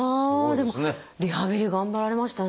でもリハビリ頑張られましたね。